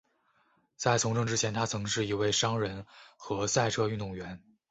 在从政之前他曾是一位商人和赛车运动员。